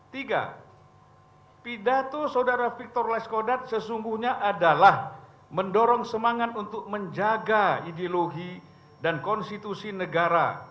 tiga pidato saudara victor leskodat sesungguhnya adalah mendorong semangat untuk menjaga ideologi dan konstitusi negara